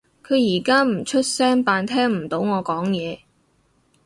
佢而家唔出聲扮聽唔到我講嘢